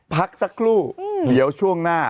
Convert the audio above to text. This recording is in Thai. พักสักครู่เดี๋ยวช่วงหน้า